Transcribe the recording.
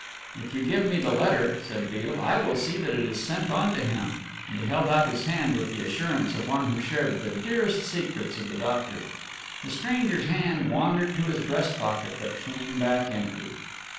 "If you give me the letter," said Beale, "I will see that it is sent on to him," and he held out his hand with the assurance of one who shared the dearest secrets of the doctor. The stranger's hand wandered to his breast pocket, but came back empty.